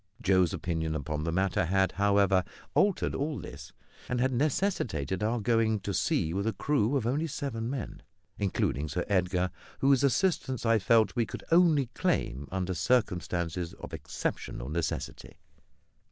Joe's opinion upon the matter had, however, altered all this, and had necessitated our going to sea with a crew of only seven men, including Sir Edgar, whose assistance I felt we could only claim under circumstances of exceptional necessity.